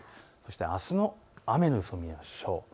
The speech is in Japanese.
あすの雨の予想を見ましょう。